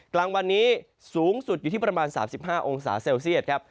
กลางวันนี้สูงสุดอยู่ที่ประมาณ๓๕องศาเซลเซียตครับ